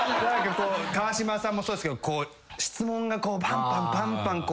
川島さんもそうですけど質問がパンパンパンパンＭＣとして。